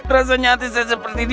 rasanya hati saya seperti ini